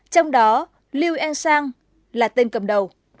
trong đó lưu en sang là tên cầm đồng